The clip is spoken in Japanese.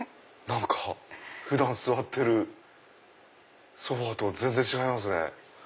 何か普段座ってるソファとは全然違いますね。